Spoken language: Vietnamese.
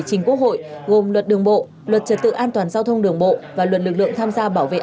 chuyên đề một mươi ba